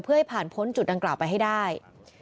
เพื่อให้ผ่านพ้นจุดดังกล่าวไปให้ได้